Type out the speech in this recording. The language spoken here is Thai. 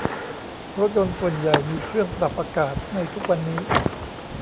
รถยนต์ส่วนใหญ่มีเครื่องปรับอากาศในทุกวันนี้